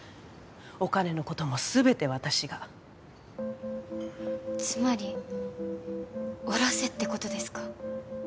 お金のことも全て私がつまりおろせってことですか？